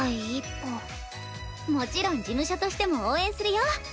もちろん事務所としても応援するよ。